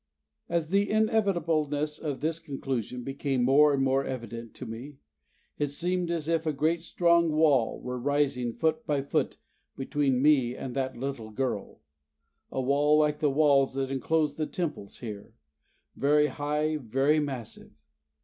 As the inevitableness of this conclusion became more and more evident to me, it seemed as if a great strong wall were rising foot by foot between me and that little girl a wall like the walls that enclose the Temples here, very high, very massive.